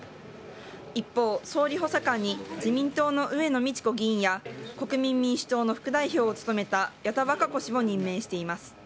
一方、総理補佐官に自民党の上野議員や国民民主党の副代表を務めた矢田氏を任命しています。